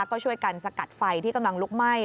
ก็ช่วยกันสกัดไฟที่กำลังลุกไหม้